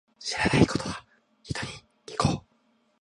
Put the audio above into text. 知らないことは、人に聞こう。